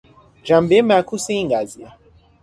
جنبهی معکوس این قضیه